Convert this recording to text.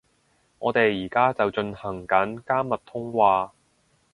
我哋而家就進行緊加密通話